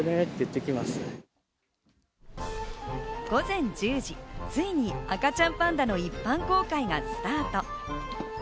午前１０時、ついに赤ちゃんパンダの一般公開がスタート。